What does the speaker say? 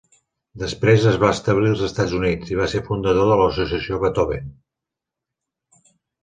Després es va establir als Estats Units i va ser fundador de l'Associació Beethoven.